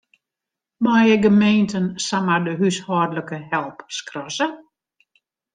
Meie gemeenten samar de húshâldlike help skrasse?